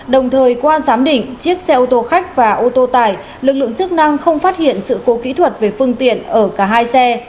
đồng thời qua giám định chiếc xe ô tô khách và ô tô tải lực lượng chức năng không phát hiện sự cố kỹ thuật về phương tiện ở cả hai xe